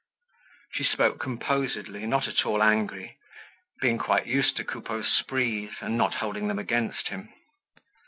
She spoke composedly, not at all angry, being quite used to Coupeau's sprees and not holding them against him.